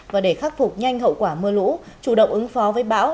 và để khắc phục nhanh hậu quả mưa lũ chủ động ứng phó với bão